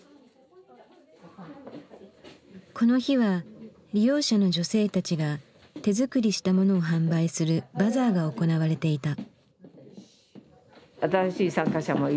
この日は利用者の女性たちが手作りしたものを販売するバザーが行われていた。